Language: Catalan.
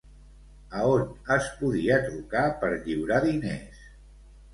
A on es podia trucar per lliurar diners?